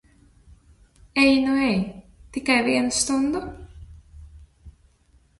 Ej nu ej! Tikai vienu stundu?